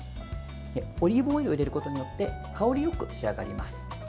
オリーブオイルを入れることによって香りよく仕上がります。